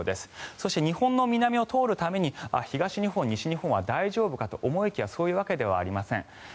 そして日本の南を通るために東日本、西日本は大丈夫かと思いきやそういうわけではありません。